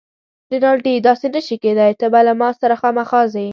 رینالډي: داسې نه شي کیدای، ته به له ما سره خامخا ځې.